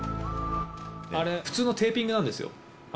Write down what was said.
あれ、普通のテーピングなんですよ。